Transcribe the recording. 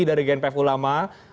dari gnpf ulama